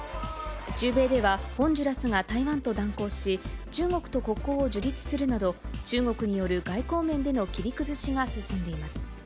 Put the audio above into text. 中米では、ホンジュラスが台湾と断交し、中国と国交を樹立するなど、中国による外交面での切り崩しが進んでいます。